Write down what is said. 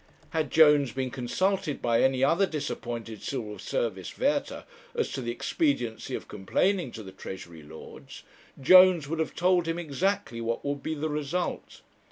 Had Jones been consulted by any other disappointed Civil Service Werter as to the expediency of complaining to the Treasury Lords, Jones would have told him exactly what would be the result.